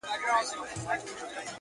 چاته وايی سخاوت دي یزداني دی.!